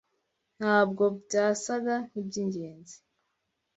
Ntabwo byasaga nkibyingenzi.